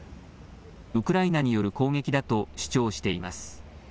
ウクライナによる攻撃だと主張しています。